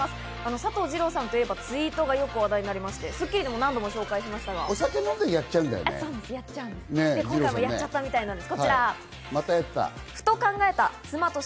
佐藤二朗さんはツイートがよく話題になりまして、『スッキリ』でもよく紹介しましたが、お酒飲んで、よくやってるんそれがこちらなんです。